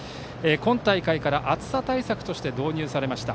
今大会から暑さ対策として導入されました。